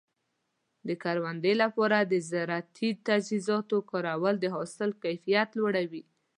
د کروندې لپاره د زراعتي تجهیزاتو کارول د حاصل کیفیت لوړوي.